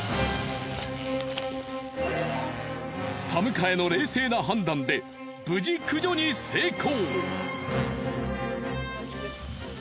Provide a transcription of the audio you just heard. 田迎の冷静な判断で無事駆除に成功！